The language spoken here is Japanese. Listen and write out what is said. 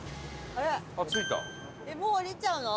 えっもう降りちゃうの？